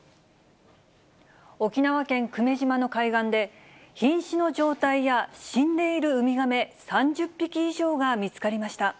沖縄県久米島の海岸で、ひん死の状態や死んでいるウミガメ３０匹以上が見つかりました。